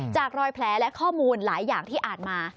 จากรอยแผลและข้อมูลหลายอย่างที่อ่านมา